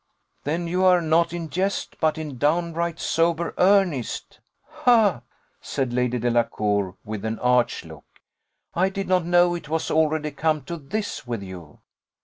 '" "Then you are not in jest, but in downright sober earnest? Ha!" said Lady Delacour, with an arch look, "I did not know it was already come to this with you."